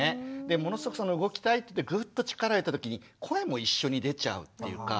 ものすごく動きたいってグッと力入れた時に声も一緒に出ちゃうっていうか。